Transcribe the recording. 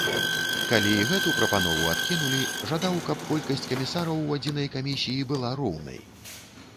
Калі і гэту прапанову адкінулі, жадаў, каб колькасць камісараў у адзінай камісіі была роўнай.